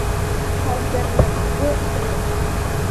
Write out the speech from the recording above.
Alternative Press.